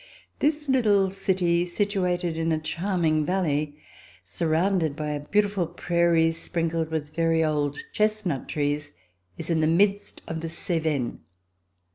This Httle city, situated in a charming valley, surrounded by a beautiful prairie sprinkled with very old chestnut trees, is in the midst of the Cevennes.